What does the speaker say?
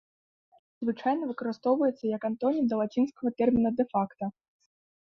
Звычайна выкарыстоўваецца як антонім да лацінскага тэрміна дэ-факта.